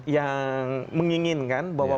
yang menginginkan bahwa